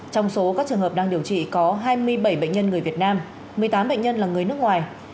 trong số các trường hợp đang điều trị có hai mươi bảy bệnh nhân người việt nam một mươi tám bệnh nhân là người nước ngoài